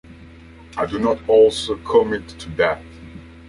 I do not also commit to that.